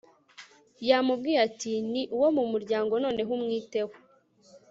yamubwiye ati ni uwo mu muryango. noneho umwiteho